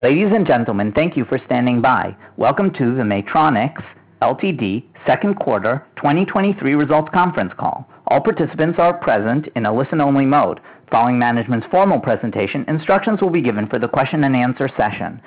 Ladies and gentlemen, thank you for standing by. Welcome to the Maytronics Ltd. Q2 2023 Results Conference Call. All participants are present in a listen-only mode. Following management's formal presentation, instructions will be given for the question and answer session.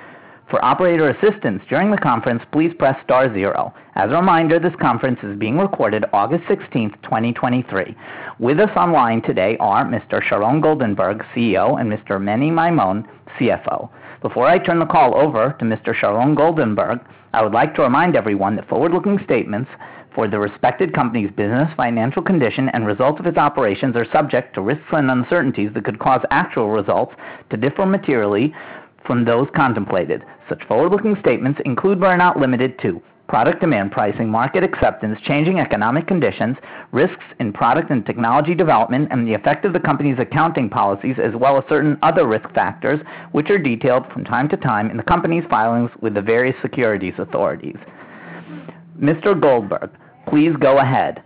For operator assistance during the conference, please press star zero. As a reminder, this conference is being recorded August 16th, 2023. With us online today are Mr. Sharon Goldenberg, CEO, and Mr. Meni Maymon, CFO. Before I turn the call over to Mr. Sharon Goldenberg, I would like to remind everyone that forward-looking statements for the respected company's business, financial condition, and results of its operations are subject to risks and uncertainties that could cause actual results to differ materially from those contemplated. Such forward-looking statements include, but are not limited to, product demand pricing, market acceptance, changing economic conditions, risks in product and technology development, and the effect of the company's accounting policies, as well as certain other risk factors, which are detailed from time to time in the company's filings with the various securities authorities. Mr. Goldenberg, please go ahead.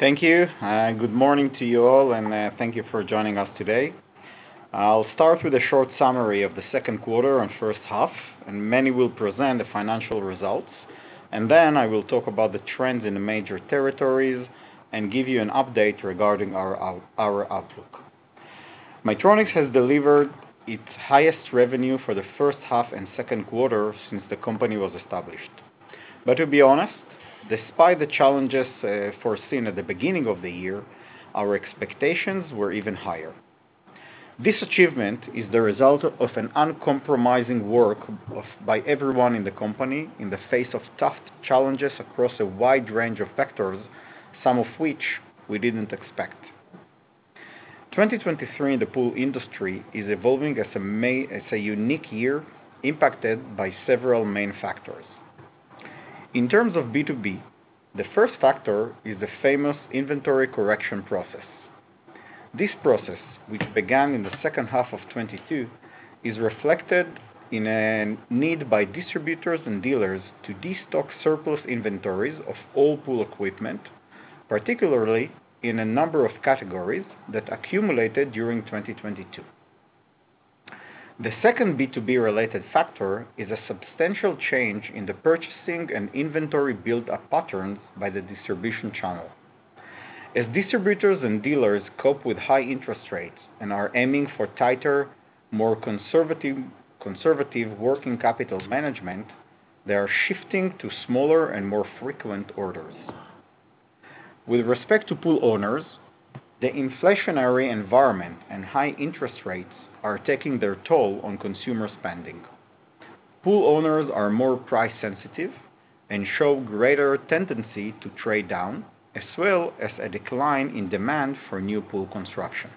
Thank you. Good morning to you all, and thank you for joining us today. I'll start with a short summary of the 2nd quarter and 1st half, and Meni will present the financial results. Then I will talk about the trends in the major territories and give you an update regarding our outlook. Maytronics has delivered its highest revenue for the 1st half and 2nd quarter since the company was established. To be honest, despite the challenges foreseen at the beginning of the year, our expectations were even higher. This achievement is the result of an uncompromising work by everyone in the company, in the face of tough challenges across a wide range of factors, some of which we didn't expect. 2023 in the pool industry is evolving as a unique year, impacted by several main factors. In terms of B2B, the first factor is the famous inventory correction process. This process, which began in the second half of 2022, is reflected in a need by distributors and dealers to destock surplus inventories of all pool equipment, particularly in a number of categories that accumulated during 2022. The second B2B-related factor is a substantial change in the purchasing and inventory buildup patterns by the distribution channel. As distributors and dealers cope with high interest rates and are aiming for tighter, more conservative, conservative working capital management, they are shifting to smaller and more frequent orders. With respect to pool owners, the inflationary environment and high interest rates are taking their toll on consumer spending. Pool owners are more price sensitive and show greater tendency to trade down, as well as a decline in demand for new pool construction.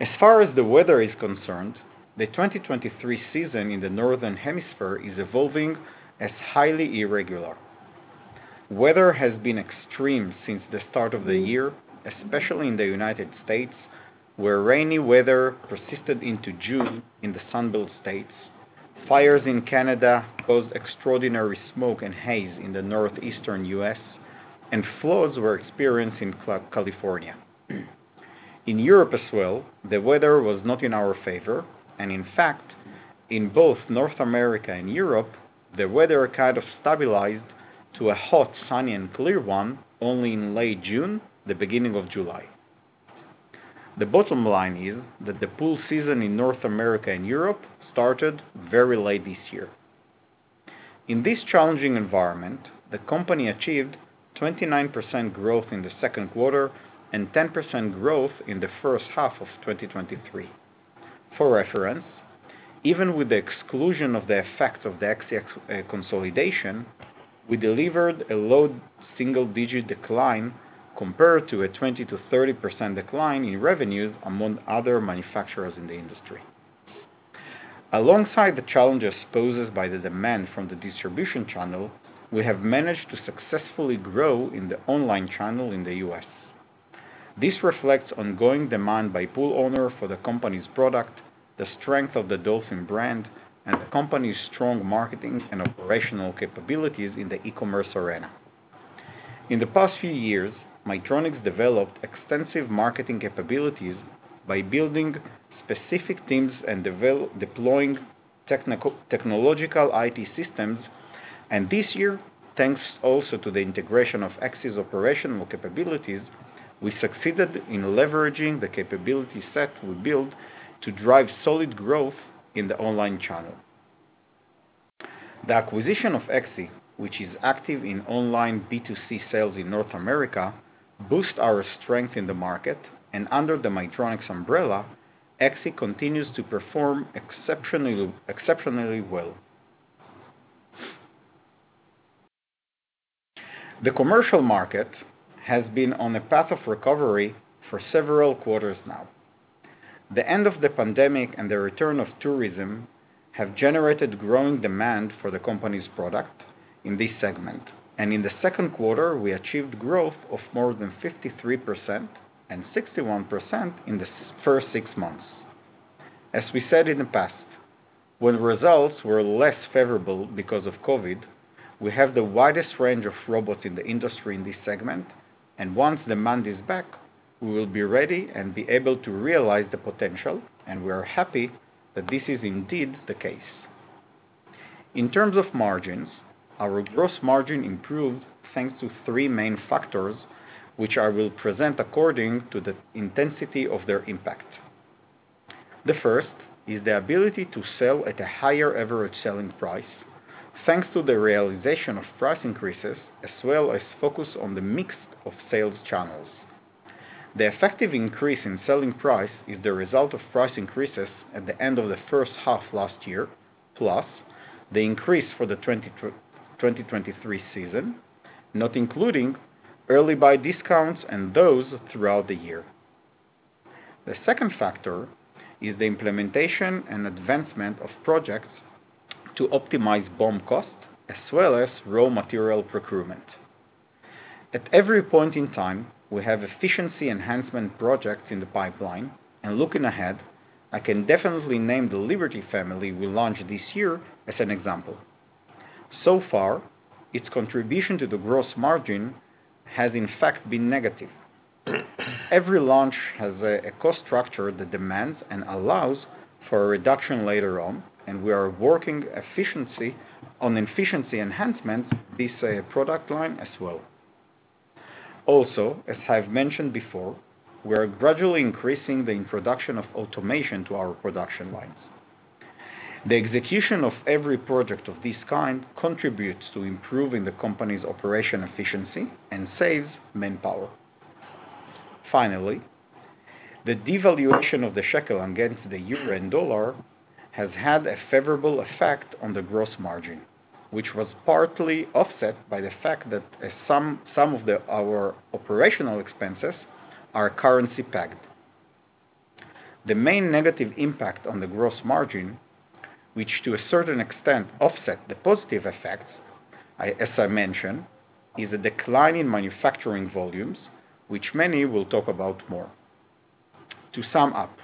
As far as the weather is concerned, the 2023 season in the Northern Hemisphere is evolving as highly irregular. Weather has been extreme since the start of the year, especially in the United States, where rainy weather persisted into June in the Sun Belt states. Fires in Canada caused extraordinary smoke and haze in the Northeastern US, and floods were experienced in California. In Europe as well, the weather was not in our favor, and in fact, in both North America and Europe, the weather kind of stabilized to a hot, sunny, and clear one, only in late June, the beginning of July. The bottom line is that the pool season in North America and Europe started very late this year. In this challenging environment, the company achieved 29% growth in the Q2 and 10% growth in the first half of 2023. For reference, even with the exclusion of the effects of the ECCXI consolidation, we delivered a low double- single-digit decline compared to a 20%-30% decline in revenues among other manufacturers in the industry. Alongside the challenges posed by the demand from the distribution channel, we have managed to successfully grow in the online channel in the US. This reflects ongoing demand by pool owner for the company's product, the strength of the Dolphin brand, and the company's strong marketing and operational capabilities in the e-commerce arena. In the past few years, Maytronics developed extensive marketing capabilities by building specific teams and deploying technological IT systems, and this year, thanks also to the integration of ECCXI's operational capabilities, we succeeded in leveraging the capability set we built to drive solid growth in the online channel. The acquisition of ECCXI, which is active in online B2C sales in North America, boost our strength in the market, and under the Maytronics umbrella, ECCXI continues to perform exceptionally, exceptionally well. The commercial market has been on a path of recovery for several quarters now. The end of the pandemic and the return of tourism have generated growing demand for the company's product in this segment, and in the Q2, we achieved growth of more than 53% and 61% in the first 6 months. As we said in the past, when results were less favorable because of COVID, we have the widest range of robots in the industry in this segment, and once demand is back, we will be ready and be able to realize the potential, and we are happy that this is indeed the case. In terms of margins, our gross margin improved, thanks to three main factors, which I will present according to the intensity of their impact. The first is the ability to sell at a higher average selling price, thanks to the realization of price increases, as well as focus on the mix of sales channels. The effective increase in selling price is the result of price increases at the end of the first half last year, plus the increase for the 2023 season, not including early buy discounts and those throughout the year. The second factor is the implementation and advancement of projects to optimize BOM costs, as well as raw material procurement. At every point in time, we have efficiency enhancement projects in the pipeline, and looking ahead, I can definitely name the Liberty family we launched this year as an example. Far, its contribution to the gross margin has in fact been negative. Every launch has a, a cost structure that demands and allows for a reduction later on, and we are working on efficiency enhancement, this product line as well. Also, as I've mentioned before, we are gradually increasing the introduction of automation to our production lines. The execution of every project of this kind contributes to improving the company's operation efficiency and saves manpower. Finally, the devaluation of the shekel against the euro and dollar has had a favorable effect on the gross margin, which was partly offset by the fact that some of our operational expenses are currency-pegged. The main negative impact on the gross margin, which to a certain extent offset the positive effects, as I mentioned, is a decline in manufacturing volumes, which Meni will talk about more. To sum up,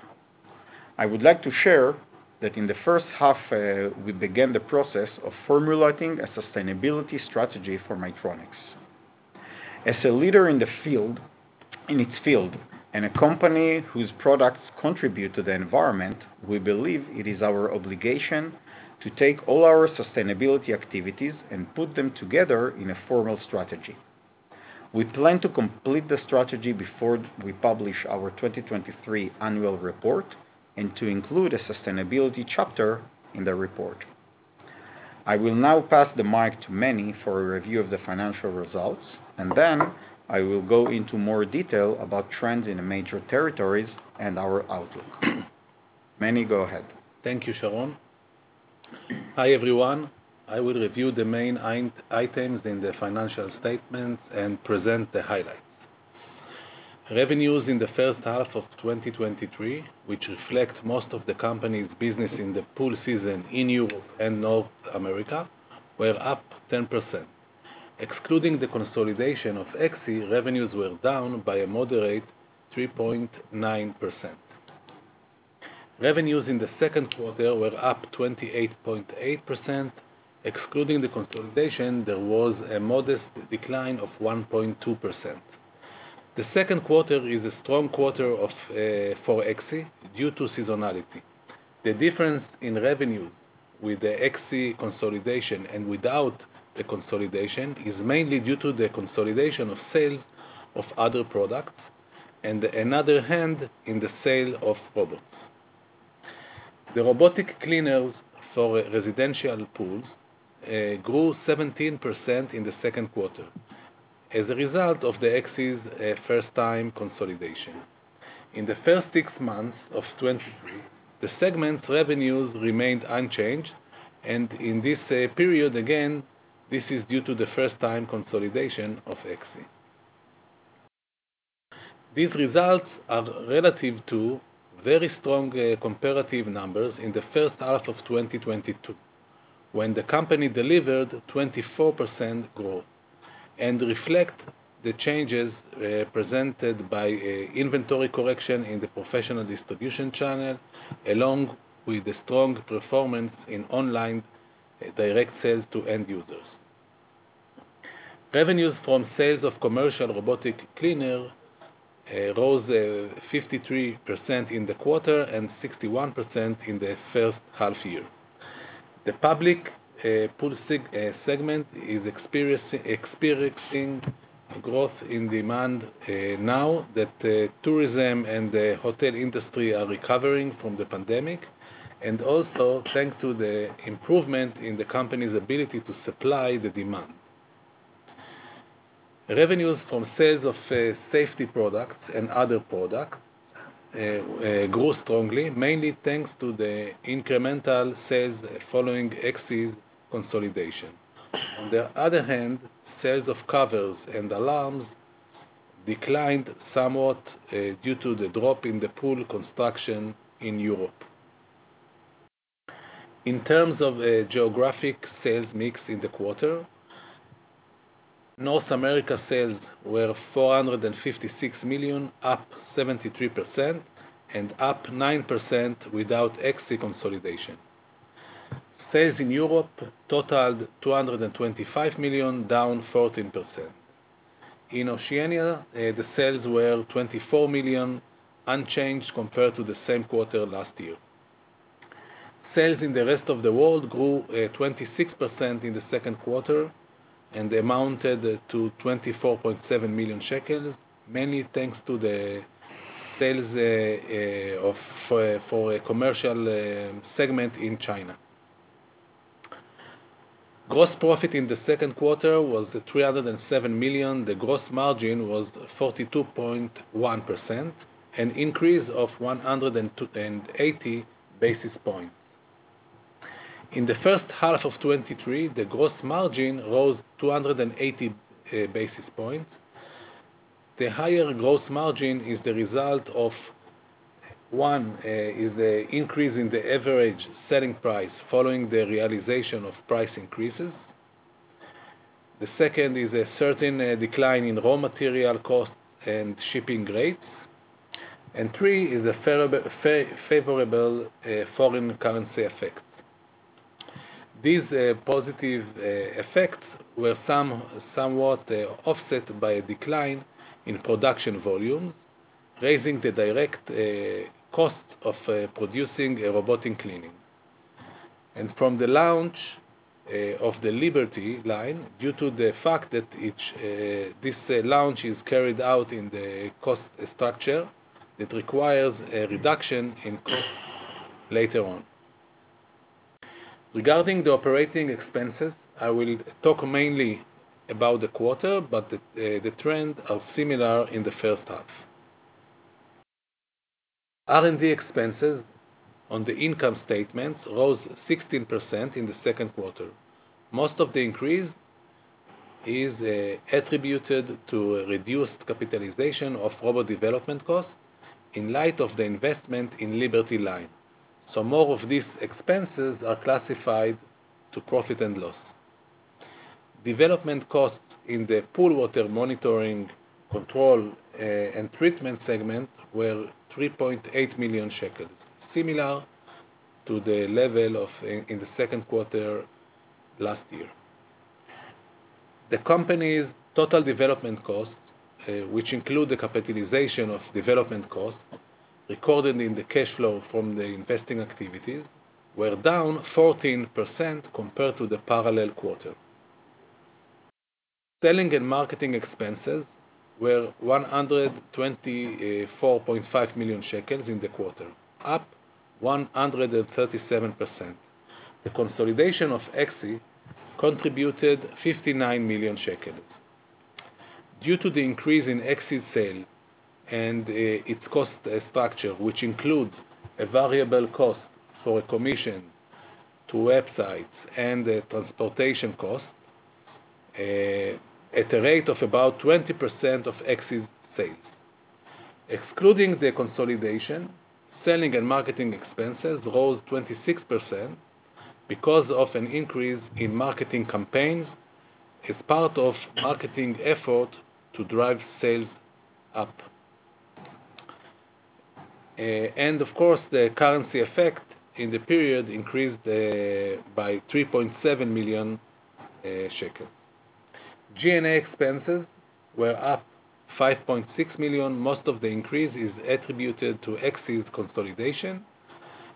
I would like to share that in the first half, we began the process of formulating a sustainability strategy for Maytronics. As a leader in the field, in its field, and a company whose products contribute to the environment, we believe it is our obligation to take all our sustainability activities and put them together in a formal strategy. We plan to complete the strategy before we publish our 2023 annual report and to include a sustainability chapter in the report. I will now pass the mic to Meni for a review of the financial results, and then I will go into more detail about trends in the major territories and our outlook. Meni, go ahead. Thank you, Sharon. Hi, everyone. I will review the main items in the financial statements and present the highlights. Revenues in the first half of 2023, which reflect most of the company's business in the pool season in Europe and North America, were up 10%. Excluding the consolidation of ECCXI, revenues were down by a moderate 3.9%. Revenues in the Q2 were up 28.8%. Excluding the consolidation, there was a modest decline of 1.2%. The Q2 is a strong quarter for ECCXI due to seasonality. The difference in revenues with the ECCXI consolidation and without the consolidation, is mainly due to the consolidation of sales of other products, and another hand in the sale of products. The robotic cleaners for residential pools grew 17% in the Q2 as a result of the ECCXI's first-time consolidation. In the first six months of 2023, the segment's revenues remained unchanged, in this period, again, this is due to the first-time consolidation of ECCXI. These results are relative to very strong comparative numbers in the first half of 2022, when the company delivered 24% growth, reflect the changes presented by inventory correction in the professional distribution channel, along with the strong performance in online direct sales to end users. Revenues from sales of commercial robotic cleaner rose 53% in the quarter and 61% in the first half year. The public pool segment is experiencing growth in demand now that tourism and the hotel industry are recovering from the pandemic, and also thanks to the improvement in the company's ability to supply the demand. Revenues from sales of safety products and other products grew strongly, mainly thanks to the incremental sales following ECCXI's consolidation. On the other hand, sales of covers and alarms declined somewhat due to the drop in the pool construction in Europe. In terms of a geographic sales mix in the quarter, North America sales were $456 million, up 73%, and up 9% without ECCXI consolidation. Sales in Europe totaled $225 million, down 14%. In Oceania, the sales were $24 million, unchanged compared to the same quarter last year. Sales in the rest of the world grew 26% in the Q2, and amounted to 24.7 million shekels, mainly thanks to the sales of a commercial segment in China. Gross profit in the Q2 was 307 million. The gross margin was 42.1%, an increase of 102, and 80 basis points. In the first half of 2023, the gross margin rose 280 basis points. The higher gross margin is the result of 1 is a increase in the average selling price following the realization of price increases. The 2 is a certain decline in raw material costs and shipping rates. And 3 is a favorable foreign currency effect. These positive effects were somewhat offset by a decline in production volumes, raising the direct cost of producing a robotic cleaning. From the launch of the Liberty line, due to the fact that each this launch is carried out in the cost structure, it requires a reduction in cost later on. Regarding the operating expenses, I will talk mainly about the quarter, but the trend are similar in the first half. R&D expenses on the income statement rose 16% in the Q2. Most of the increase is attributed to a reduced capitalization of robot development costs in light of the investment in Liberty line. More of these expenses are classified to profit and loss. Development costs in the pool water monitoring, control, and treatment segment were 3.8 million shekels, similar to the level in the Q2 last year. The company's total development costs, which include the capitalization of development costs, recorded in the cash flow from the investing activities, were down 14% compared to the parallel quarter. Selling and marketing expenses were 124.5 million shekels in the quarter, up 137%. The consolidation of ECCXI contributed 59 million shekels. Due to the increase in ECCXI sale and its cost structure, which includes a variable cost for a commission to websites and transportation costs, at a rate of about 20% of ECCXI sales. Excluding the consolidation, selling and marketing expenses rose 26% because of an increase in marketing campaigns, as part of marketing effort to drive sales up. and of course, the currency effect in the period increased by 3.7 million shekel. G&A expenses were up 5.6 million. Most of the increase is attributed to ECCXI's consolidation,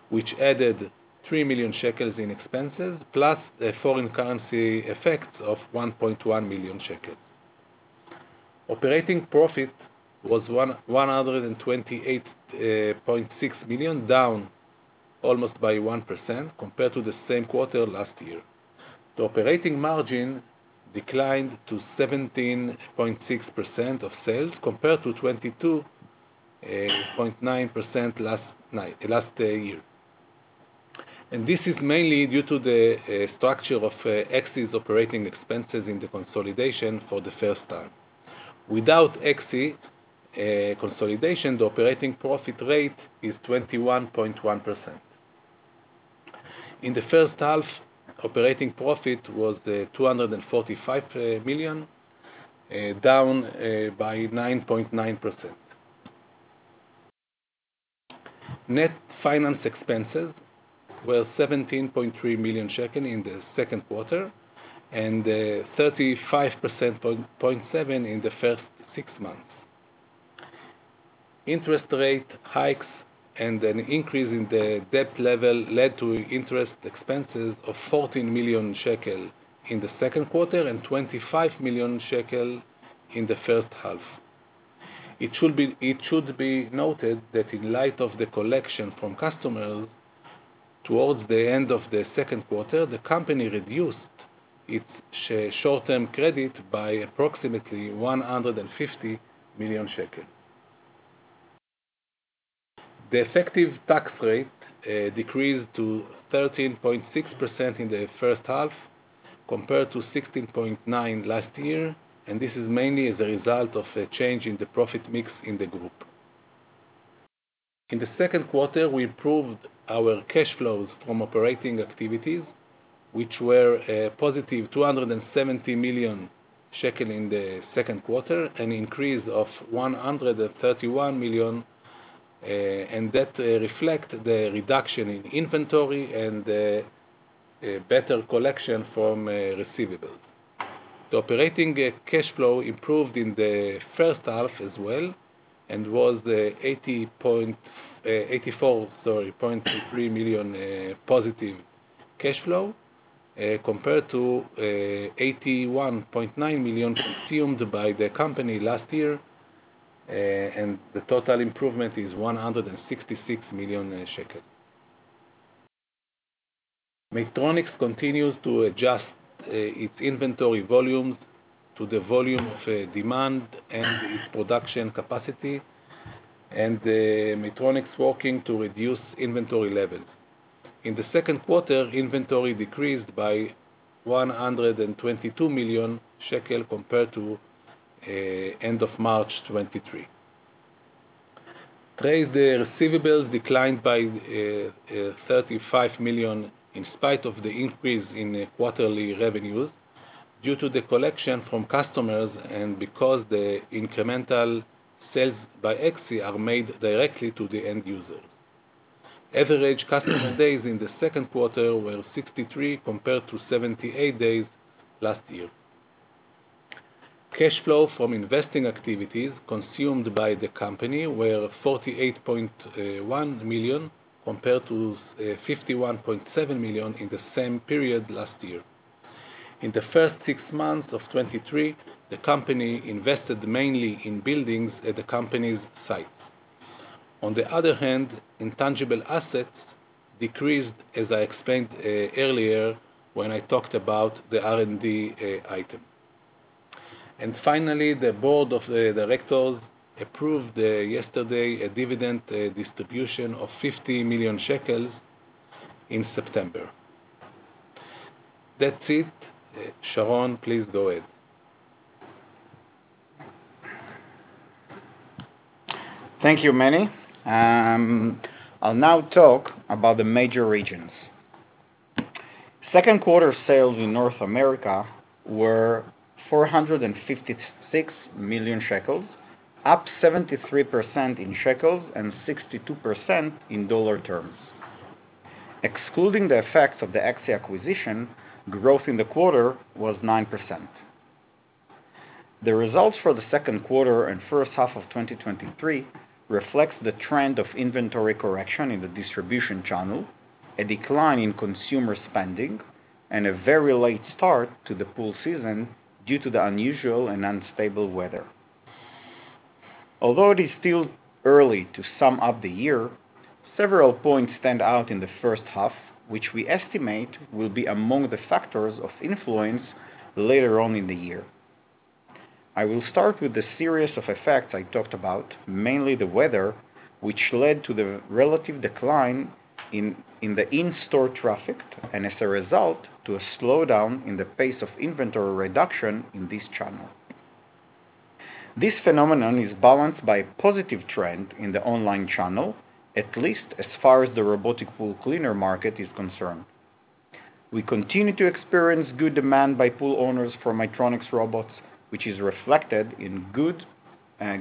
which added 3 million shekels in expenses, plus a foreign currency effect of 1.1 million shekels. Operating profit was 128.6 million, down almost by 1% compared to the same quarter last year. The operating margin declined to 17.6% of sales, compared to 22.9% last year. This is mainly due to the structure of ECCXI's operating expenses in the consolidation for the first time. Without ECCXI consolidation, the operating profit rate is 21.1%. In the first half, operating profit was 245 million, down by 9.9%. Net finance expenses were 17.3 million shekel in the Q2, and 35.7 million in the first six months. Interest rate hikes and an increase in the debt level led to interest expenses of 14 million shekel in the Q2, and 25 million shekel in the first half. It should be noted that in light of the collection from customers towards the end of the Q2, the company reduced its short-term credit by approximately ILS 150 million. The effective tax rate decreased to 13.6% in the first half, compared to 16.9 last year. This is mainly as a result of a change in the profit mix in the group. In the Q2, we improved our cash flows from operating activities, which were positive 270 million shekel in the Q2, an increase of 131 million, and that reflect the reduction in inventory and a better collection from receivables. The operating cash flow improved in the first half as well, and was 84.3 million, sorry, positive cash flow, compared to 81.9 million consumed by the company last year, and the total improvement is 166 million shekels. Maytronics continues to adjust its inventory volumes to the volume of demand and its production capacity, and the Maytronics working to reduce inventory levels. In the Q2, inventory decreased by 122 million shekel, compared to end of March 2023. Today, the receivables declined by 35 million, in spite of the increase in the quarterly revenues, due to the collection from customers and because the incremental sales by Axie are made directly to the end user. Average customer days in the Q2 were 63, compared to 78 days last year. Cash flow from investing activities consumed by the company were 48.1 million, compared to 51.7 million in the same period last year. In the first six months of 2023, the company invested mainly in buildings at the company's site. On the other hand, intangible assets decreased, as I explained, earlier when I talked about the R&D item. Finally, the board of the directors approved, yesterday, a dividend, distribution of 50 million shekels in September. That's it. Sharon, please go ahead. Thank you, Meni. I'll now talk about the major regions. Q2 sales in North America were 456 million shekels, up 73% in shekels and 62% in dollar terms. Excluding the effects of the ECCXI acquisition, growth in the quarter was 9%. The results for the Q2 and first half of 2023 reflects the trend of inventory correction in the distribution channel, a decline in consumer spending, and a very late start to the pool season due to the unusual and unstable weather. Although it is still early to sum up the year, several points stand out in the first half, which we estimate will be among the factors of influence later on in the year. I will start with the series of effects I talked about, mainly the weather, which led to the relative decline in the in-store traffic, and as a result, to a slowdown in the pace of inventory reduction in this channel. This phenomenon is balanced by a positive trend in the online channel, at least as far as the robotic pool cleaner market is concerned. We continue to experience good demand by pool owners for Maytronics robots, which is reflected in good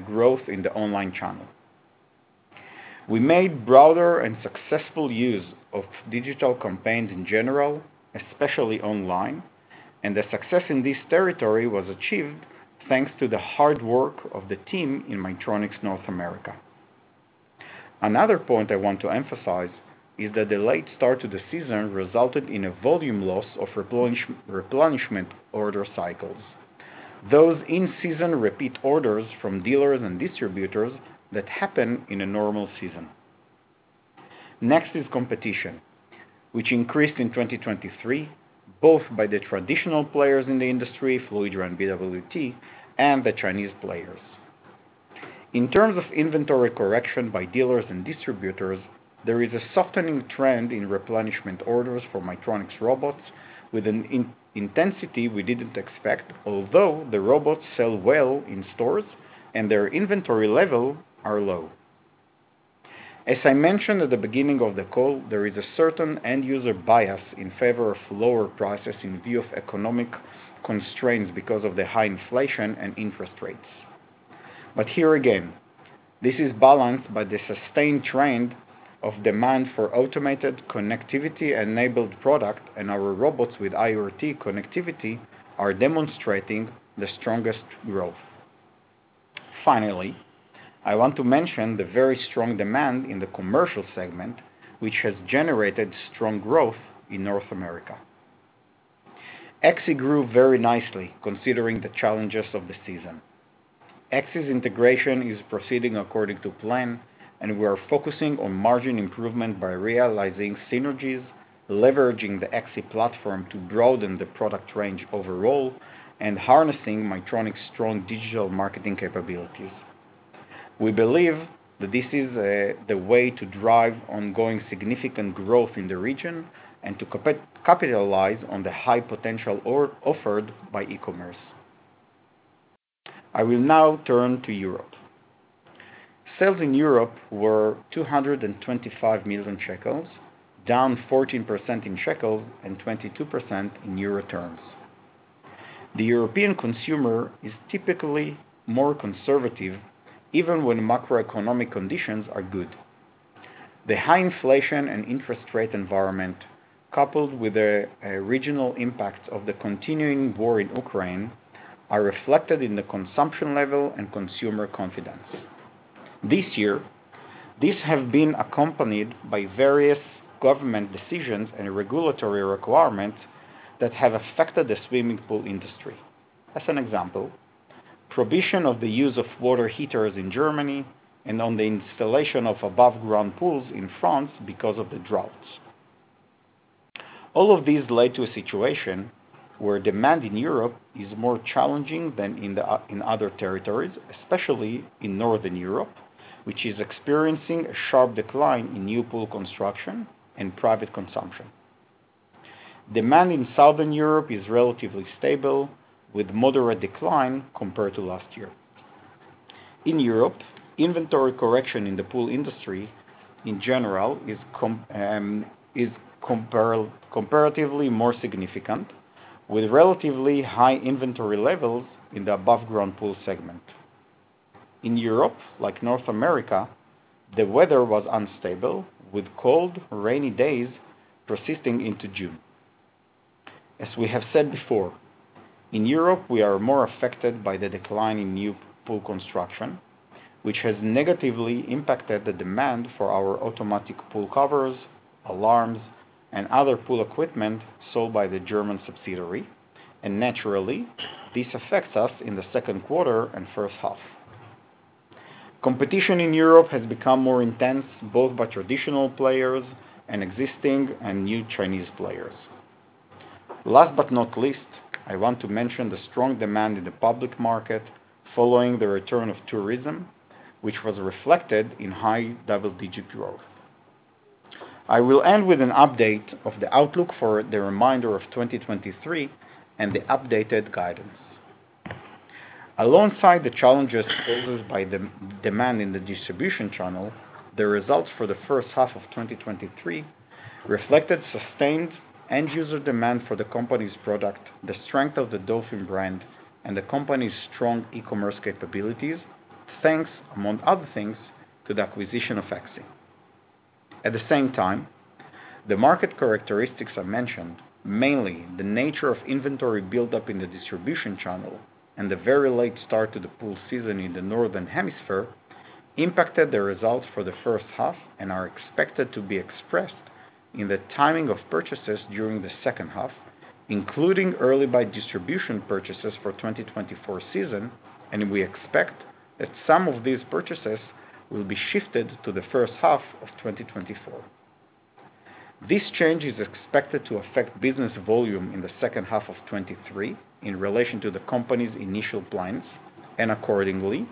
growth in the online channel. We made broader and successful use of digital campaigns in general, especially online, and the success in this territory was achieved, thanks to the hard work of the team in Maytronics, North America. Another point I want to emphasize is that the late start to the season resulted in a volume loss of replenishment order cycles, those in-season repeat orders from dealers and distributors that happen in a normal season. Next is competition, which increased in 2023, both by the traditional players in the industry, Fluidra and BWT, and the Chinese players. In terms of inventory correction by dealers and distributors, there is a softening trend in replenishment orders for Maytronics robots with an intensity we didn't expect, although the robots sell well in stores and their inventory level are low. As I mentioned at the beginning of the call, there is a certain end-user bias in favor of lower prices in view of economic constraints, because of the high inflation and interest rates. Here again, this is balanced by the sustained trend of demand for automated connectivity-enabled product, and our robots with IoT connectivity are demonstrating the strongest growth. Finally, I want to mention the very strong demand in the commercial segment, which has generated strong growth in North America. ECCXI grew very nicely, considering the challenges of the season. ECCXI's integration is proceeding according to plan, and we are focusing on margin improvement by realizing synergies, leveraging the ECCXI platform to broaden the product range overall, and harnessing Maytronics's strong digital marketing capabilities. We believe that this is the way to drive ongoing significant growth in the region and to capitalize on the high potential offered by e-commerce. I will now turn to Europe. Sales in Europe were 225 million shekels, down 14% in ILS and 22% in EUR terms. The European consumer is typically more conservative, even when macroeconomic conditions are good. The high inflation and interest rate environment, coupled with the regional impacts of the continuing war in Ukraine, are reflected in the consumption level and consumer confidence. This year, these have been accompanied by various government decisions and regulatory requirements that have affected the swimming pool industry. As an example, prohibition of the use of water heaters in Germany and on the installation of above-ground pools in France because of the droughts. All of these led to a situation where demand in Europe is more challenging than in other territories, especially in Northern Europe, which is experiencing a sharp decline in new pool construction and private consumption. Demand in Southern Europe is relatively stable, with moderate decline compared to last year. In Europe, inventory correction in the pool industry, in general, is comparatively more significant, with relatively high inventory levels in the above-ground pool segment. In Europe, like North America, the weather was unstable, with cold, rainy days persisting into June. As we have said before, in Europe, we are more affected by the decline in new pool construction, which has negatively impacted the demand for our automatic pool covers, alarms, and other pool equipment sold by the German subsidiary, and naturally, this affects us in the Q2 and first half. Competition in Europe has become more intense, both by traditional players and existing and new Chinese players. Last but not least, I want to mention the strong demand in the public market following the return of tourism, which was reflected in high double-digit growth. I will end with an update of the outlook for the remainder of 2023 and the updated guidance. Alongside the challenges posed by the demand in the distribution channel, the results for the first half of 2023 reflected sustained end-user demand for the company's product, the strength of the Dolphin brand, and the company's strong e-commerce capabilities, thanks, among other things, to the acquisition of ECCXI. At the same time, the market characteristics I mentioned, mainly the nature of inventory buildup in the distribution channel and the very late start to the pool season in the Northern Hemisphere, impacted the results for the first half and are expected to be expressed in the timing of purchases during the second half, including early buy distribution purchases for 2024 season. We expect that some of these purchases will be shifted to the first half of 2024. This change is expected to affect business volume in the second half of 2023 in relation to the company's initial plans, and accordingly,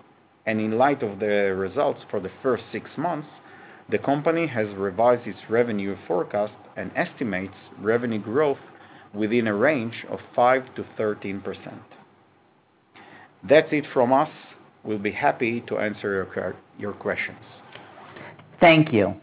and in light of the results for the first six months, the company has revised its revenue forecast and estimates revenue growth within a range of 5%-13%. That's it from us. We'll be happy to answer your questions. Thank you.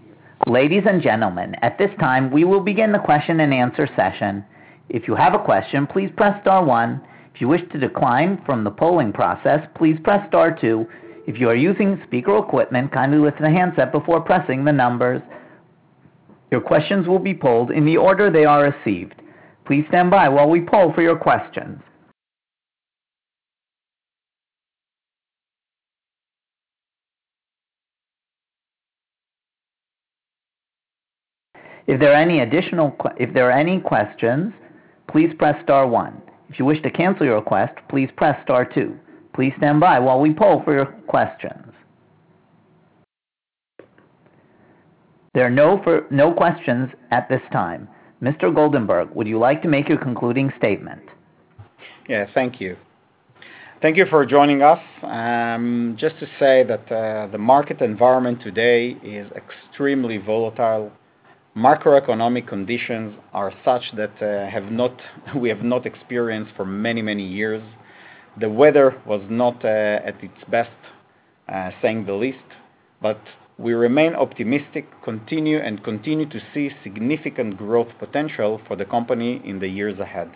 Ladies and gentlemen, at this time, we will begin the question and answer session. If you have a question, please press star one. If you wish to decline from the polling process, please press star two. If you are using speaker equipment, kindly lift the handset before pressing the numbers. Your questions will be polled in the order they are received. Please stand by while we poll for your questions. If there are any additional If there are any questions, please press star one. If you wish to cancel your request, please press star two. Please stand by while we poll for your questions. There are no no questions at this time. Mr. Goldenberg, would you like to make your concluding statement? Yeah, thank you. Thank you for joining us. Just to say that the market environment today is extremely volatile. Microeconomic conditions are such that have not, we have not experienced for many, many years. The weather was not at its best, saying the least, but we remain optimistic, continue, and continue to see significant growth potential for the company in the years ahead.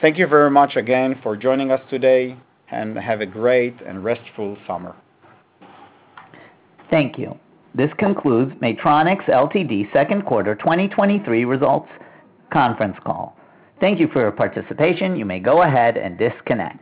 Thank you very much again for joining us today, and have a great and restful summer. Thank you. This concludes Maytronics Ltd. Q2 2023 results conference call. Thank you for your participation. You may go ahead and disconnect.